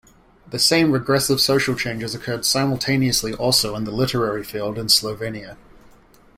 The same regressive social changes occurred simultaneously also in the literary field in Slovenia.